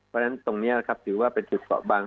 เพราะฉะนั้นตรงนี้นะครับถือว่าเป็นจุดเกาะบาง